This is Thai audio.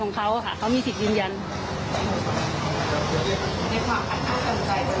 ในความอัดอั้นตันใจตัวนี้แม่รู้สึกอยู่ไหนน่าะ